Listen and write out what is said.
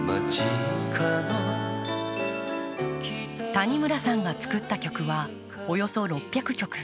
谷村さんが作った曲はおよそ６００曲。